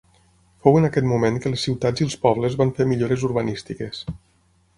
Fou en aquest moment que les ciutats i els pobles van fer millores urbanístiques.